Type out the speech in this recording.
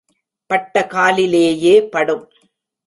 பட்ட காலிலேயே படும்.